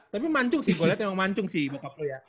tapi mancung sih gue liat emang mancung sih bokap lu ya